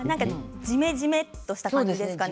じめじめした感じですか？